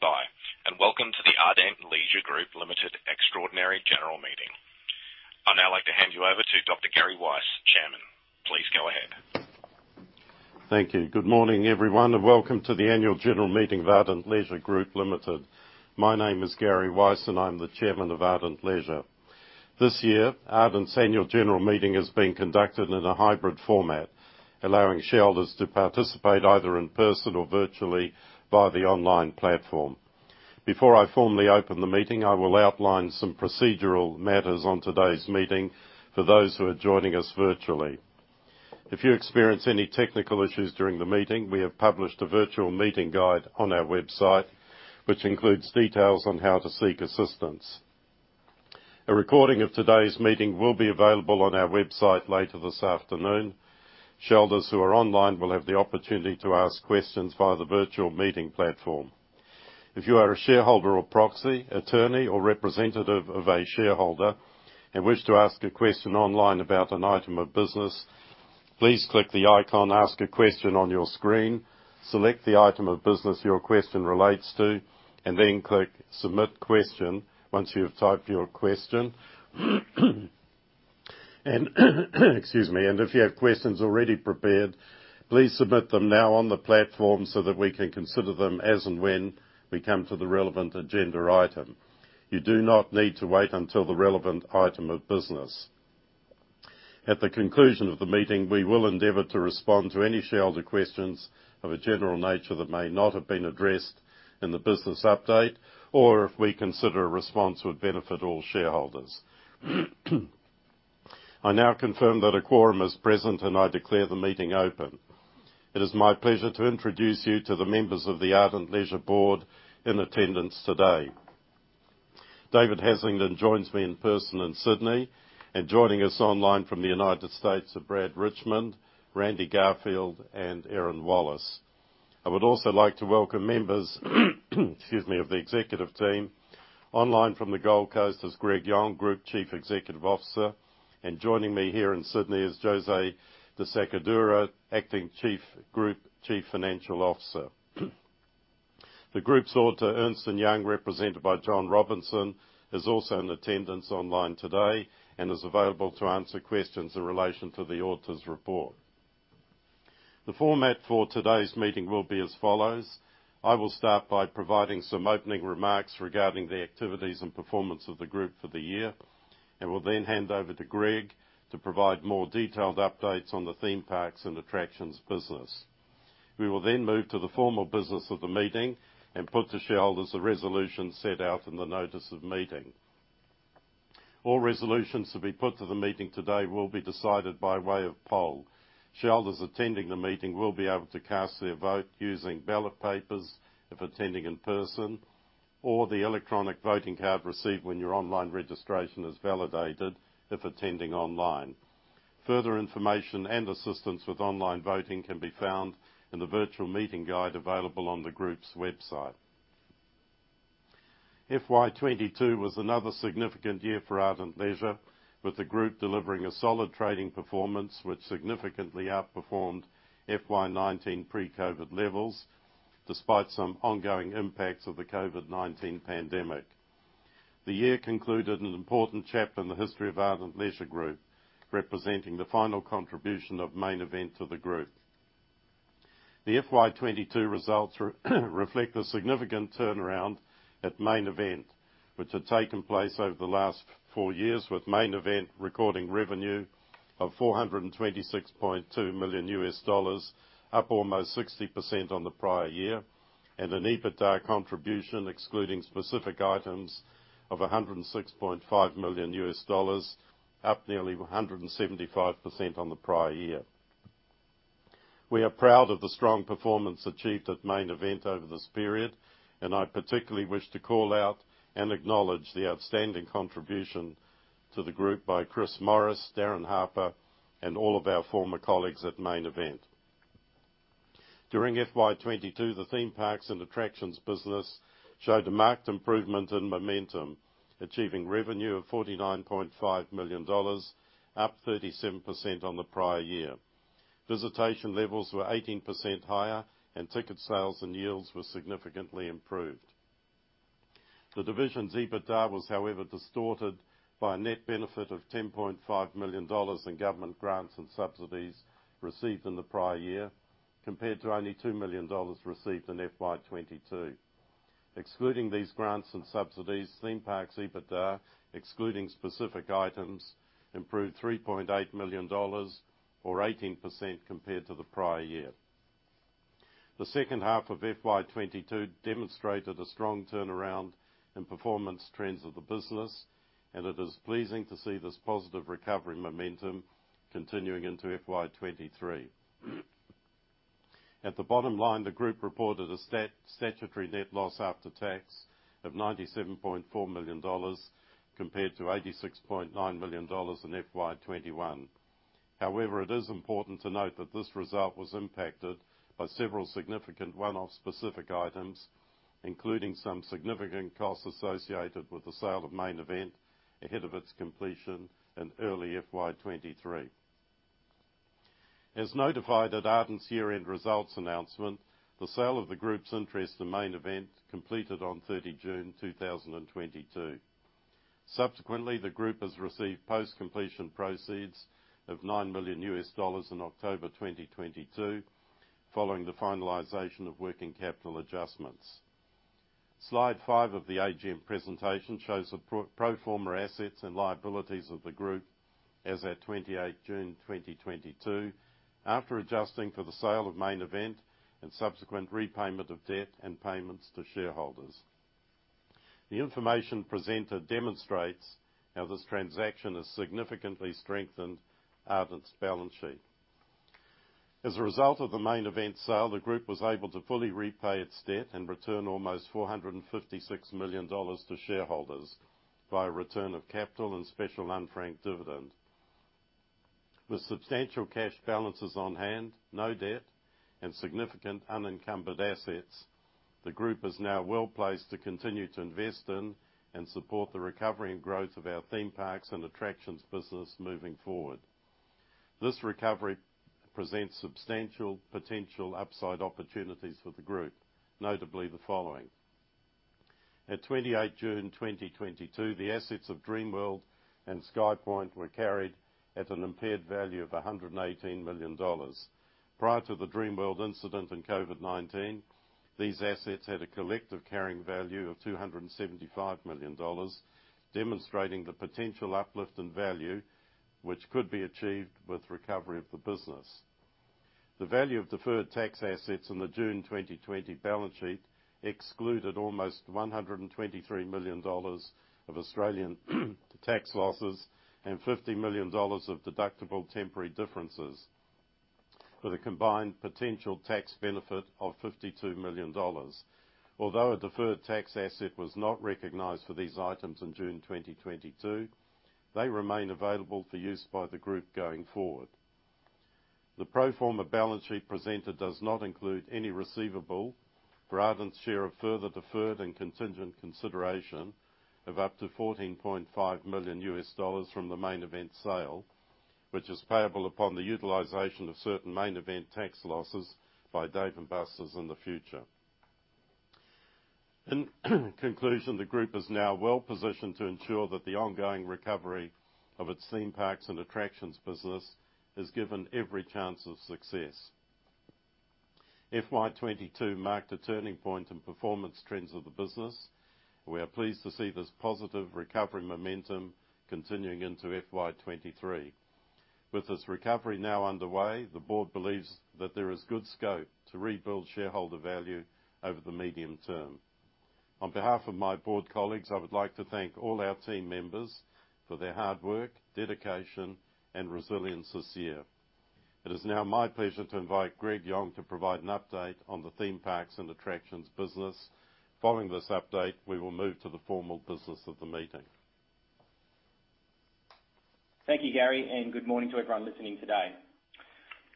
Thank you for standing by, and welcome to the Ardent Leisure Group Limited extraordinary general meeting. I'd now like to hand you over to Dr. Gary Weiss, Chairman. Please go ahead. Thank you. Good morning, everyone, and welcome to the annual general meeting of Ardent Leisure Group Limited. My name is Gary Weiss, and I'm the Chairman of Ardent Leisure. This year, Ardent's annual general meeting is being conducted in a hybrid format, allowing shareholders to participate either in person or virtually via the online platform. Before I formally open the meeting, I will outline some procedural matters on today's meeting for those who are joining us virtually. If you experience any technical issues during the meeting, we have published a virtual meeting guide on our website, which includes details on how to seek assistance. A recording of today's meeting will be available on our website later this afternoon. Shareholders who are online will have the opportunity to ask questions via the virtual meeting platform. If you are a shareholder or proxy, attorney, or representative of a shareholder and wish to ask a question online about an item of business, please click the icon Ask a Question on your screen, select the item of business your question relates to, and then click Submit Question once you've typed your question. Excuse me. If you have questions already prepared, please submit them now on the platform so that we can consider them as and when we come to the relevant agenda item. You do not need to wait until the relevant item of business. At the conclusion of the meeting, we will endeavor to respond to any shareholder questions of a general nature that may not have been addressed in the business update or if we consider a response would benefit all shareholders. I now confirm that a quorum is present, and I declare the meeting open. It is my pleasure to introduce you to the members of the Ardent Leisure board in attendance today. David Haslingden joins me in person in Sydney, and joining us online from the United States are Brad Richmond, Randy Garfield, and Erin Wallace. I would also like to welcome members of the executive team. Online from the Gold Coast is Greg Yong, Group Chief Executive Officer. Joining me here in Sydney is José de Sacadura, Group Chief Financial Officer. The group's auditor, Ernst & Young, represented by John Robinson, is also in attendance online today and is available to answer questions in relation to the auditor's report. The format for today's meeting will be as follows. I will start by providing some opening remarks regarding the activities and performance of the group for the year and will then hand over to Greg to provide more detailed updates on the theme parks and attractions business. We will then move to the formal business of the meeting and put to shareholders the resolution set out in the notice of meeting. All resolutions to be put to the meeting today will be decided by way of poll. Shareholders attending the meeting will be able to cast their vote using ballot papers if attending in person or the electronic voting card received when your online registration is validated if attending online. Further information and assistance with online voting can be found in the virtual meeting guide available on the group's website. FY 2022 was another significant year for Ardent Leisure, with the group delivering a solid trading performance which significantly outperformed FY 2019 pre-COVID levels despite some ongoing impacts of the COVID-19 pandemic. The year concluded an important chapter in the history of Ardent Leisure Group, representing the final contribution of Main Event to the group. The FY 2022 results reflect a significant turnaround at Main Event, which had taken place over the last four years, with Main Event recording revenue of $426.2 million, up almost 60% on the prior year, and an EBITDA contribution excluding specific items of $106.5 million, up nearly 175% on the prior year. We are proud of the strong performance achieved at Main Event over this period, and I particularly wish to call out and acknowledge the outstanding contribution to the group by Chris Morris, Darin Harper, and all of our former colleagues at Main Event. During FY 2022, the theme parks and attractions business showed a marked improvement in momentum, achieving revenue of 49.5 million dollars, up 37% on the prior year. Visitation levels were 18% higher, and ticket sales and yields were significantly improved. The division's EBITDA was, however, distorted by a net benefit of 10.5 million dollars in government grants and subsidies received in the prior year, compared to only 2 million dollars received in FY 2022. Excluding these grants and subsidies, theme parks' EBITDA, excluding specific items, improved 3.8 million dollars or 18% compared to the prior year. The second half of FY 2022 demonstrated a strong turnaround in performance trends of the business, and it is pleasing to see this positive recovery momentum continuing into FY 2023. At the bottom line, the group reported a statutory net loss after tax of 97.4 million dollars compared to 86.9 million dollars in FY 2021. However, it is important to note that this result was impacted by several significant one-off specific items, including some significant costs associated with the sale of Main Event ahead of its completion in early FY 2023. As notified at Ardent's year-end results announcement, the sale of the group's interest in Main Event completed on June 30, 2022. Subsequently, the group has received post-completion proceeds of $9 million in October 2022 following the finalization of working capital adjustments. Slide five of the AGM presentation shows the pro forma assets and liabilities of the group as at June 28, 2022, after adjusting for the sale of Main Event and subsequent repayment of debt and payments to shareholders. The information presented demonstrates how this transaction has significantly strengthened Ardent Leisure's balance sheet. As a result of the Main Event sale, the group was able to fully repay its debt and return almost 456 million dollars to shareholders by return of capital and special unfranked dividend. With substantial cash balances on hand, no debt, and significant unencumbered assets, the group is now well-placed to continue to invest in and support the recovery and growth of our theme parks and attractions business moving forward. This recovery presents substantial potential upside opportunities for the group, notably the following. At June 28, 2022, the assets of Dreamworld and SkyPoint were carried at an impaired value of 118 million dollars. Prior to the Dreamworld incident and COVID-19, these assets had a collective carrying value of 275 million dollars, demonstrating the potential uplift in value which could be achieved with recovery of the business. The value of deferred tax assets in the June 2020 balance sheet excluded almost 123 million dollars of Australian tax losses and 50 million dollars of deductible temporary differences with a combined potential tax benefit of 52 million dollars. Although a deferred tax asset was not recognized for these items in June 2022, they remain available for use by the group going forward. The pro forma balance sheet presented does not include any receivable for Ardent's share of further deferred and contingent consideration of up to $14.5 million from the Main Event sale, which is payable upon the utilization of certain Main Event tax losses by Dave & Buster's in the future. In conclusion, the group is now well-positioned to ensure that the ongoing recovery of its theme parks and attractions business is given every chance of success. FY 2022 marked a turning point in performance trends of the business. We are pleased to see this positive recovery momentum continuing into FY 2023. With this recovery now underway, the board believes that there is good scope to rebuild shareholder value over the medium term. On behalf of my board colleagues, I would like to thank all our team members for their hard work, dedication, and resilience this year. It is now my pleasure to invite Greg Yong to provide an update on the theme parks and attractions business. Following this update, we will move to the formal business of the meeting. Thank you, Gary, and good morning to everyone listening today.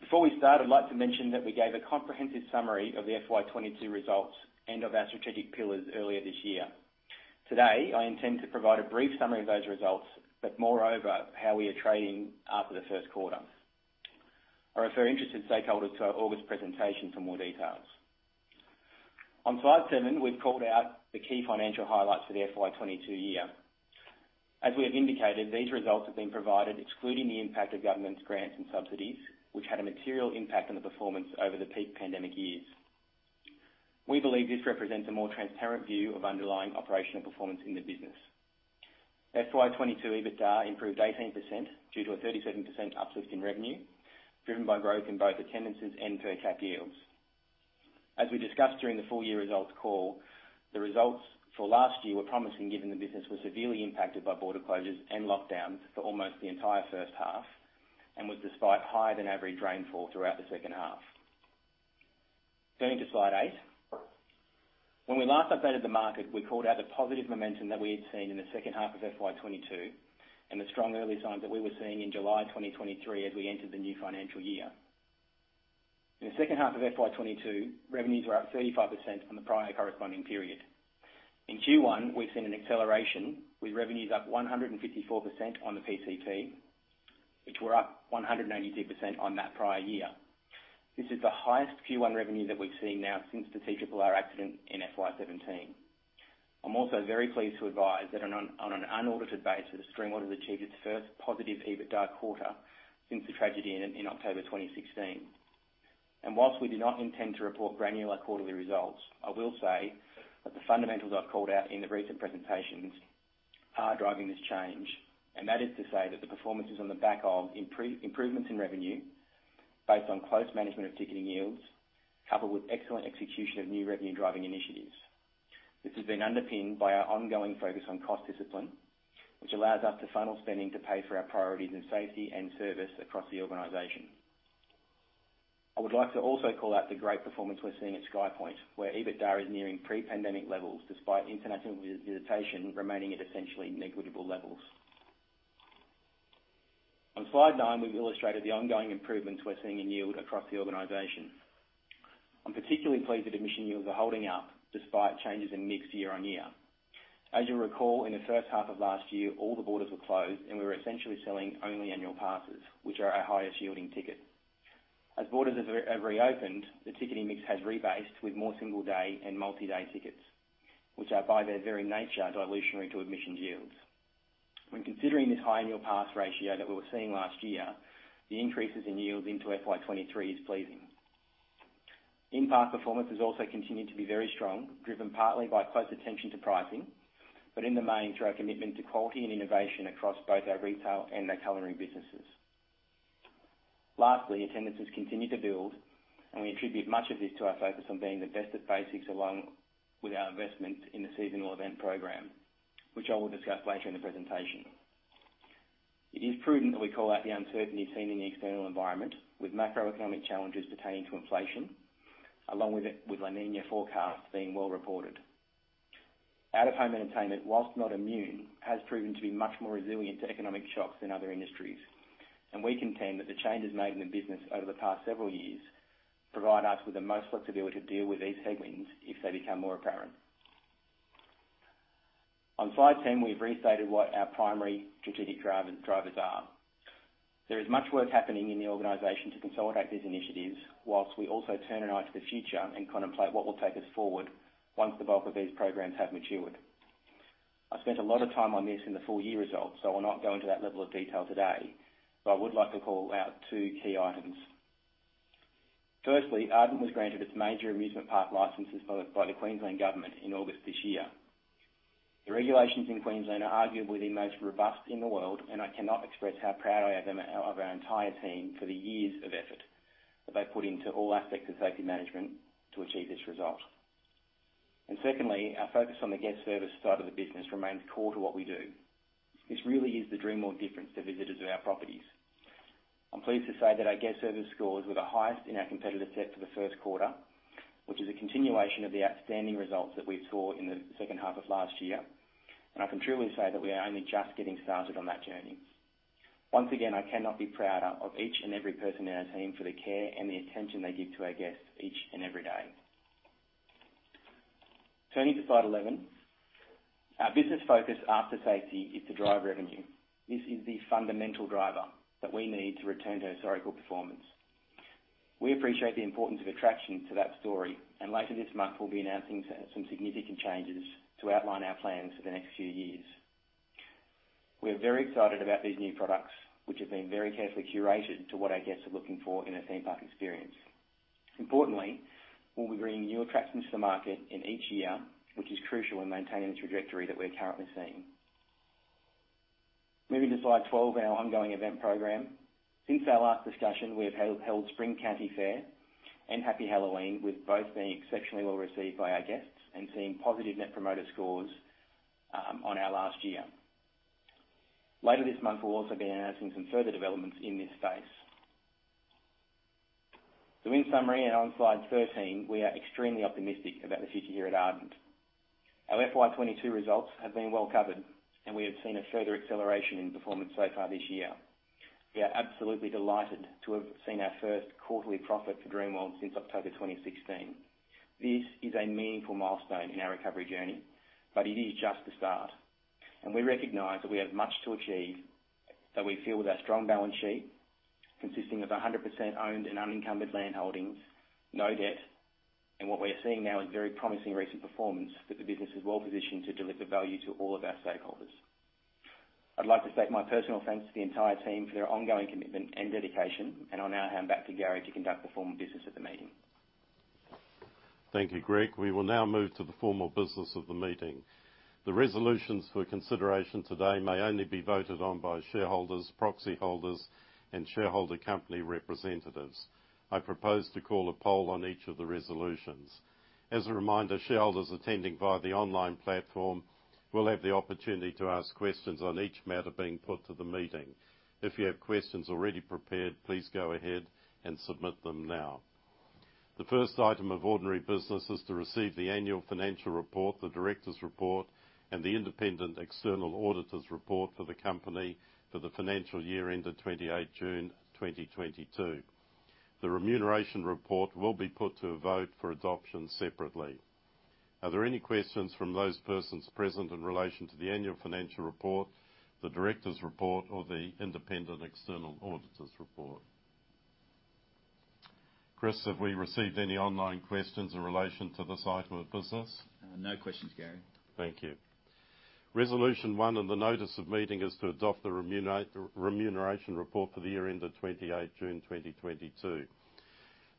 Before we start, I'd like to mention that we gave a comprehensive summary of the FY 2022 results and of our strategic pillars earlier this year. Today, I intend to provide a brief summary of those results, but moreover, how we are trading after the first quarter. I refer interested stakeholders to our August presentation for more details. On slide seven, we've called out the key financial highlights for the FY 2022 year. As we have indicated, these results have been provided excluding the impact of government grants and subsidies, which had a material impact on the performance over the peak pandemic years. We believe this represents a more transparent view of underlying operational performance in the business. FY 2022 EBITDA improved 18% due to a 37% uplift in revenue, driven by growth in both attendances and per cap yields. As we discussed during the full year results call, the results for last year were promising, given the business was severely impacted by border closures and lockdowns for almost the entire first half and was, despite higher than average rainfall throughout the second half. Going to slide eight. When we last updated the market, we called out the positive momentum that we had seen in the second half of FY 2022 and the strong early signs that we were seeing in July 2023 as we entered the new financial year. In the second half of FY 2022, revenues were up 35% from the prior corresponding period. In Q1, we've seen an acceleration, with revenues up 154% on the PCP, which were up 192% on that prior year. This is the highest Q1 revenue that we've seen now since the TRRR accident in FY 2017. I'm also very pleased to advise that on an unaudited basis, Dreamworld has achieved its first positive EBITDA quarter since the tragedy in October 2016. While we do not intend to report granular quarterly results, I will say that the fundamentals I've called out in the recent presentations are driving this change, and that is to say that the performance is on the back of improvements in revenue based on close management of ticketing yields, coupled with excellent execution of new revenue-driving initiatives. This has been underpinned by our ongoing focus on cost discipline, which allows us to funnel spending to pay for our priorities in safety and service across the organization. I would like to also call out the great performance we're seeing at SkyPoint, where EBITDA is nearing pre-pandemic levels, despite international visitation remaining at essentially negligible levels. On slide nine, we've illustrated the ongoing improvements we're seeing in yield across the organization. I'm particularly pleased that admission yields are holding up despite changes in mix year-on-year. As you'll recall, in the first half of last year, all the borders were closed, and we were essentially selling only annual passes, which are our highest yielding ticket. As borders have reopened, the ticketing mix has rebased with more single day and multi-day tickets, which are, by their very nature, dilutive to admissions yields. When considering this high annual pass ratio that we were seeing last year, the increases in yields into FY 2023 is pleasing. In-park performance has also continued to be very strong, driven partly by close attention to pricing, but in the main, through our commitment to quality and innovation across both our retail and our catering businesses. Lastly, attendances continue to build, and we attribute much of this to our focus on being the best at basics, along with our investment in the seasonal event program, which I will discuss later in the presentation. It is prudent that we call out the uncertainty seen in the external environment with macroeconomic challenges pertaining to inflation, along with La Niña forecast being well reported. Out-of-home entertainment, while not immune, has proven to be much more resilient to economic shocks than other industries. We contend that the changes made in the business over the past several years provide us with the most flexibility to deal with these headwinds if they become more apparent. On slide 10, we've restated what our primary strategic drivers are. There is much work happening in the organization to consolidate these initiatives while we also turn an eye to the future and contemplate what will take us forward once the bulk of these programs have matured. I spent a lot of time on this in the full year results, so I'll not go into that level of detail today, but I would like to call out two key items. Firstly, Ardent was granted its major amusement park licenses by the Queensland Government in August this year. The regulations in Queensland are arguably the most robust in the world, and I cannot express how proud I am of our entire team for the years of effort that they put into all aspects of safety management to achieve this result. Secondly, our focus on the guest service side of the business remains core to what we do. This really is the Dreamworld difference to visitors of our properties. I'm pleased to say that our guest service scores were the highest in our competitor set for the first quarter, which is a continuation of the outstanding results that we saw in the second half of last year. I can truly say that we are only just getting started on that journey. Once again, I cannot be prouder of each and every person in our team for the care and the attention they give to our guests each and every day. Turning to slide 11. Our business focus after safety is to drive revenue. This is the fundamental driver that we need to return to historical performance. We appreciate the importance of attraction to that story, and later this month, we'll be announcing some significant changes to outline our plans for the next few years. We are very excited about these new products, which have been very carefully curated to what our guests are looking for in a theme park experience. Importantly, we'll be bringing new attractions to the market in each year, which is crucial in maintaining the trajectory that we're currently seeing. Moving to slide 12, our ongoing event program. Since our last discussion, we have held Spring Country Fair and Happy Halloween, with both being exceptionally well received by our guests and seeing positive net promoter scores over last year. Later this month, we'll also be announcing some further developments in this space. In summary, and on slide 13, we are extremely optimistic about the future here at Ardent. Our FY 2022 results have been well covered, and we have seen a further acceleration in performance so far this year. We are absolutely delighted to have seen our first quarterly profit for Dreamworld since October 2016. This is a meaningful milestone in our recovery journey, but it is just the start, and we recognize that we have much to achieve, that we feel, with our strong balance sheet, consisting of 100% owned and unencumbered land holdings, no debt. What we are seeing now is very promising recent performance that the business is well-positioned to deliver value to all of our stakeholders. I'd like to extend my personal thanks to the entire team for their ongoing commitment and dedication, and I'll now hand back to Gary to conduct the formal business of the meeting. Thank you, Greg. We will now move to the formal business of the meeting. The resolutions for consideration today may only be voted on by shareholders, proxy holders, and shareholder company representatives. I propose to call a poll on each of the resolutions. As a reminder, shareholders attending via the online platform will have the opportunity to ask questions on each matter being put to the meeting. If you have questions already prepared, please go ahead and submit them now. The first item of ordinary business is to receive the annual financial report, the director's report, and the independent external auditor's report for the company for the financial year ended June 28, 2022. The remuneration report will be put to a vote for adoption separately. Are there any questions from those persons present in relation to the annual financial report, the director's report, or the independent external auditor's report? Chris, have we received any online questions in relation to this item of business? No questions, Gary. Thank you. Resolution 1 of the notice of meeting is to adopt the remuneration report for the year ended June 28, 2022.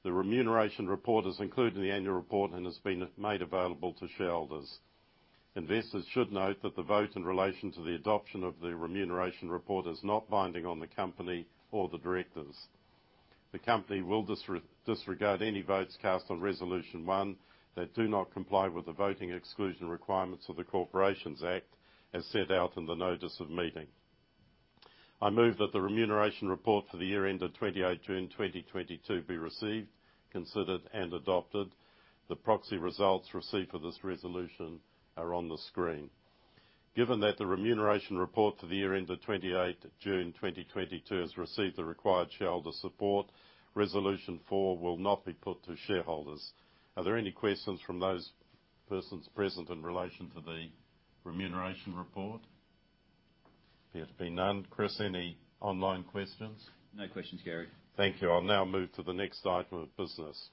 The remuneration report is included in the annual report and has been made available to shareholders. Investors should note that the vote in relation to the adoption of the remuneration report is not binding on the company or the directors. The company will disregard any votes cast on Resolution 1 that do not comply with the voting exclusion requirements of the Corporations Act, as set out in the notice of meeting. I move that the remuneration report for the year ended June 28, 2022 be received, considered, and adopted. The proxy results received for this resolution are on the screen. Given that the remuneration report for the year ended June 28, 2022 has received the required shareholder support, Resolution 4 will not be put to shareholders. Are there any questions from those persons present in relation to the remuneration report? There appear to be none. Chris, any online questions? No questions, Gary. Thank you. I'll now move to the next item of business.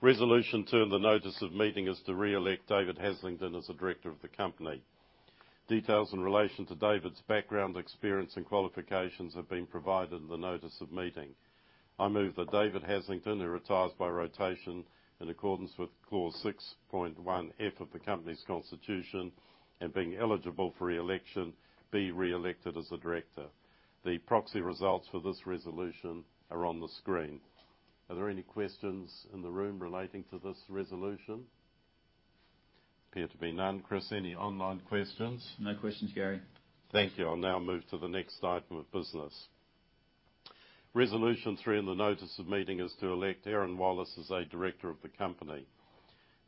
Resolution 2 in the notice of meeting is to re-elect David Haslingden as a director of the company. Details in relation to David's background, experience, and qualifications have been provided in the notice of meeting. I move that David Haslingden, who retires by rotation in accordance with Clause 6.1(f) of the company's constitution and being eligible for re-election, be re-elected as a director. The proxy results for this resolution are on the screen. Are there any questions in the room relating to this resolution? Appear to be none. Chris, any online questions? No questions, Gary. Thank you. I'll now move to the next item of business. Resolution 3 in the notice of meeting is to elect Erin Wallace as a director of the company.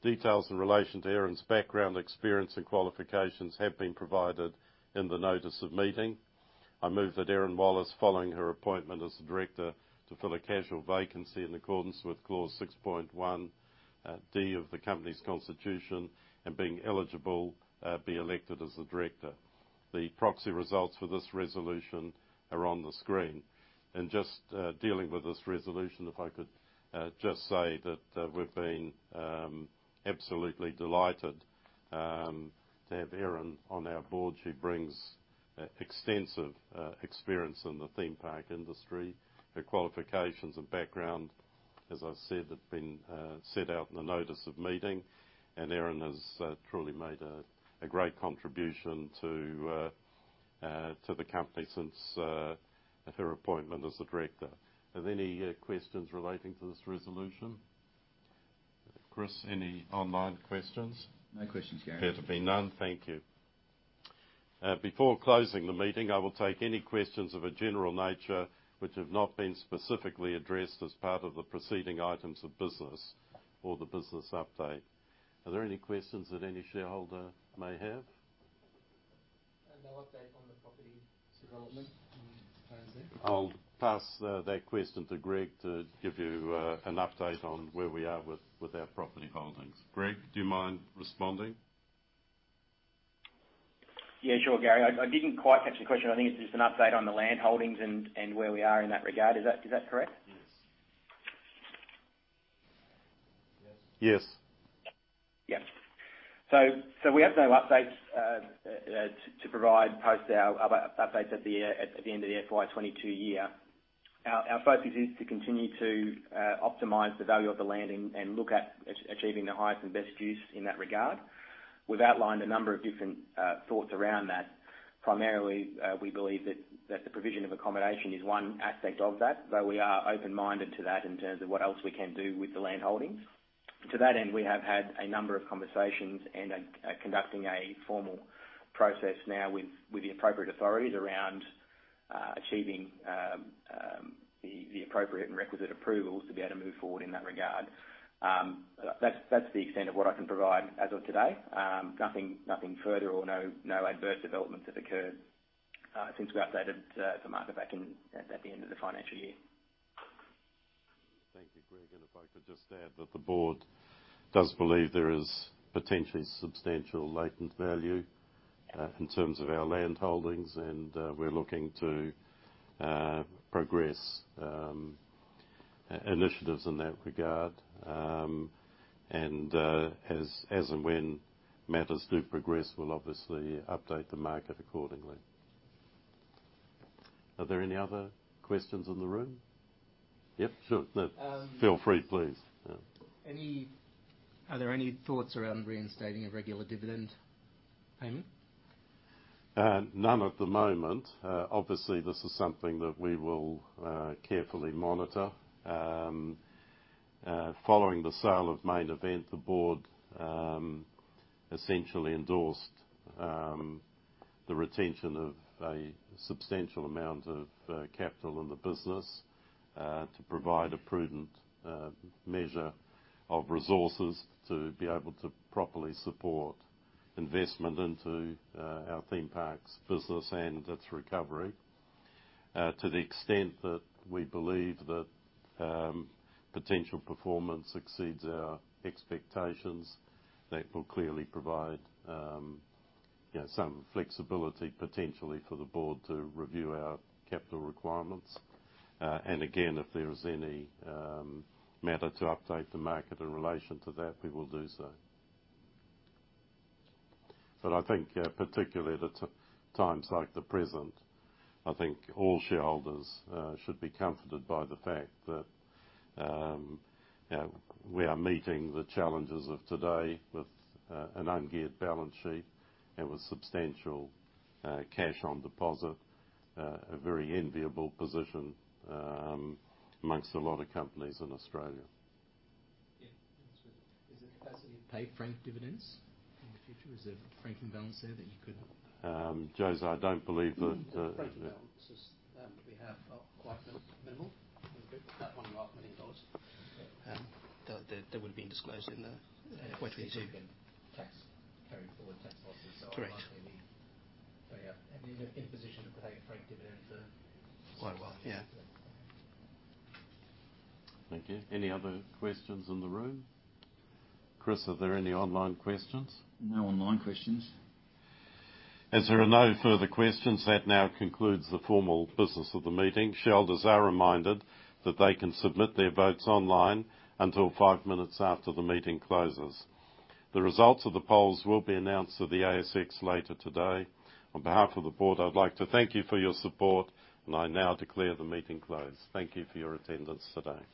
Details in relation to Erin's background, experience, and qualifications have been provided in the notice of meeting. I move that Erin Wallace, following her appointment as the director to fill a casual vacancy in accordance with Clause 6.1(d) of the company's constitution and being eligible, be elected as the director. The proxy results for this resolution are on the screen. Just dealing with this resolution, if I could just say that we've been absolutely delighted to have Erin on our board. She brings extensive experience in the theme park industry. Her qualifications and background, as I've said, have been set out in the notice of meeting. Erin has truly made a great contribution to the company since her appointment as the director. Are there any questions relating to this resolution? Chris, any online questions? No questions, Gary. Appear to be none. Thank you. Before closing the meeting, I will take any questions of a general nature which have not been specifically addressed as part of the preceding items of business or the business update. Are there any questions that any shareholder may have? No update on the property development in Queensland? I'll pass that question to Greg to give you an update on where we are with our property holdings. Greg, do you mind responding? Yeah, sure, Gary. I didn't quite catch the question. I think it's just an update on the land holdings and where we are in that regard. Is that correct? Yes. Yes? Yes. We have no updates to provide post our update at the end of the FY 2022 year. Our focus is to continue to optimize the value of the land and look at achieving the highest and best use in that regard. We've outlined a number of different thoughts around that. Primarily, we believe that the provision of accommodation is one aspect of that, but we are open-minded to that in terms of what else we can do with the land holdings. To that end, we have had a number of conversations and are conducting a formal process now with the appropriate authorities around achieving the appropriate and requisite approvals to be able to move forward in that regard. That's the extent of what I can provide as of today. Nothing further or no adverse developments have occurred since we updated the market back in at the end of the financial year. Thank you, Greg. If I could just add that the board does believe there is potentially substantial latent value in terms of our land holdings, and we're looking to progress initiatives in that regard. As and when matters do progress, we'll obviously update the market accordingly. Are there any other questions in the room? Yeah. Sure. No. Um- Feel free, please. Yeah. Are there any thoughts around reinstating a regular dividend payment? None at the moment. Obviously, this is something that we will carefully monitor. Following the sale of Main Event, the board essentially endorsed the retention of a substantial amount of capital in the business to provide a prudent measure of resources to be able to properly support investment into our theme parks business and its recovery. To the extent that we believe that potential performance exceeds our expectations, that will clearly provide, you know, some flexibility potentially for the board to review our capital requirements. Again, if there is any matter to update the market in relation to that, we will do so. I think, yeah, particularly at times like the present, I think all shareholders should be comforted by the fact that, you know, we are meeting the challenges of today with an ungeared balance sheet and with substantial cash on deposit, a very enviable position among a lot of companies in Australia. Yeah. Is there capacity to pay franked dividends in the future? Is there a franking balance there that you could? José, I don't believe that. The franking balances we have are quite minimal. About AUD 1.5 million. That would have been disclosed in the 22- These have been taxed. Carried forward tax losses. Correct. Ideally, yeah, you're in a good position to pay a franked dividend for quite a while. Yeah. Thank you. Any other questions in the room? Chris, are there any online questions? No online questions. As there are no further questions, that now concludes the formal business of the meeting. Shareholders are reminded that they can submit their votes online until five minutes after the meeting closes. The results of the polls will be announced to the ASX later today. On behalf of the board, I'd like to thank you for your support, and I now declare the meeting closed. Thank you for your attendance today.